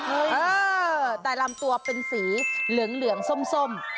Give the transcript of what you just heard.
เออแต่ลำตัวเป็นสีเหลืองส้ม